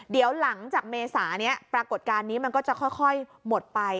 เดี๋ยวหลังจากเมษานี้ปรากฏการณ์นี้มันก็จะค่อยหมดไป